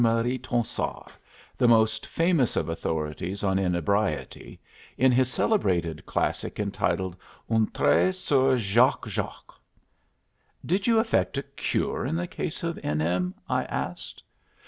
Marie Tonsard, the most famous of authorities on inebriety, in his celebrated classic entitled 'Un Trait sur Jacques Jacques.'" "Did you effect a cure in the case of N. M.?" I asked.